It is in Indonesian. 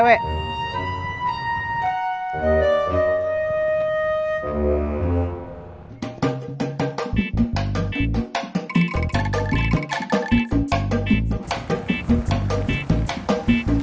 bapak lagi otw